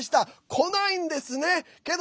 来ないんですね、けど